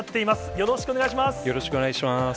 よろしくお願いします。